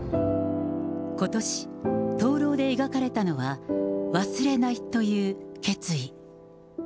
ことし、灯籠で描かれたのは、忘れないという決意。